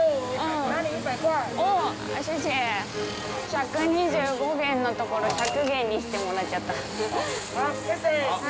１２５元のところ１００元にしてもらっちゃった。